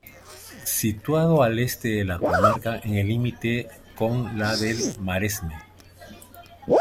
Situado al este de la comarca en el límite con la del Maresme.